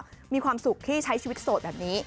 ก็มีความสุขที่ใช้ชีวิตโสดแบบนี้